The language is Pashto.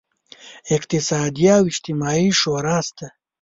اقتصادي او اجتماعي شورا شته.